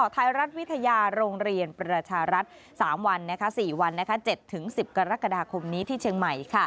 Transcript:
ไทยรัฐวิทยาโรงเรียนประชารัฐสามวันสี่วันเจ็ดถึงสิบกรกฎาคมนี้ที่เชียงใหม่